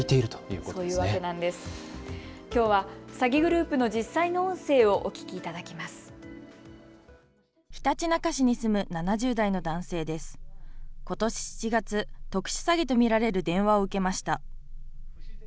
ことし７月、特殊詐欺と見られる電話を受けました。